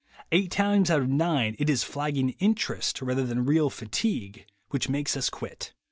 Eight times out of nine it is flagging interest, rather than real fatigue, which makes us quit.